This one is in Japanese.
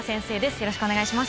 よろしくお願いします。